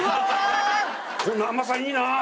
この甘さいいな。